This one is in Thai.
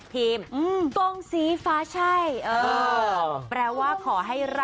กงสีฟ้าช่าย